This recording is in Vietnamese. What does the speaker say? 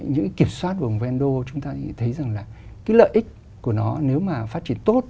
những cái kiểm soát vùng vendô chúng ta thấy rằng là cái lợi ích của nó nếu mà phát triển tốt